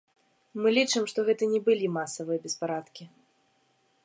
Мы лічым, што гэта не былі масавыя беспарадкі.